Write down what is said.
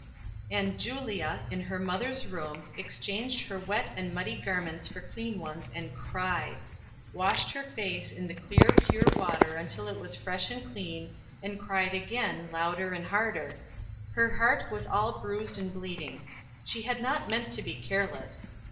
And Julia, in her mother's room, exchanged her wet and muddy garments for clean ones, and cried; washed her face in the clear, pure water until it was fresh and clean, and cried again, louder and harder; her heart was all bruised and bleeding. She had not meant to be careless.